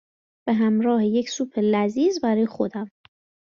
به همراه یک سوپ لذیذ برای خودم